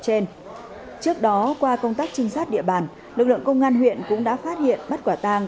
trước đó qua công tác trinh sát địa bàn lực lượng công an huyện cũng đã phát hiện bắt quả tang